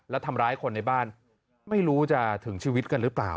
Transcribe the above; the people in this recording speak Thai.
แล้วทำร้ายคนในบ้านไม่รู้จะถึงชีวิตกันหรือเปล่า